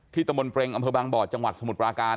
ตำบลเปรงอำเภอบางบ่อจังหวัดสมุทรปราการ